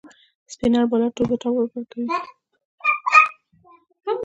سپينر بالر توپ ته تاو ورکوي.